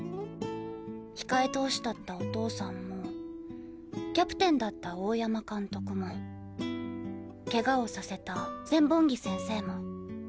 控え投手だったお父さんもキャプテンだった大山監督もケガをさせた千本木先生も。